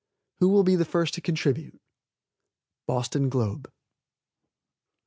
Who will be the first to contribute? _Boston Globe.